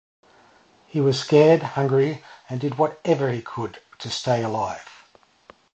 He was scared, hungry, and did whatever he could to stay alive.